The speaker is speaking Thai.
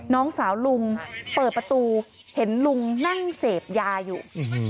น้องสาวลุงเปิดประตูเห็นลุงนั่งเสพยาอยู่